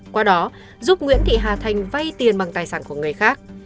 qua đó giúp nguyễn thị hà thành vay tiền bằng tài sản của người khác